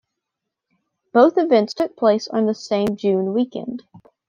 Both events took place on the same June weekend.